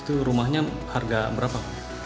itu rumahnya harga berapa